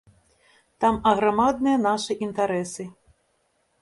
Там аграмадныя нашы інтарэсы.